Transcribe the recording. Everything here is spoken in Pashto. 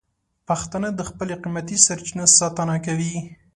پښتانه د خپلو قیمتي سرچینو ساتنه کوي.